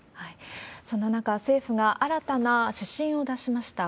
そんな中、政府が新たな指針を出しました。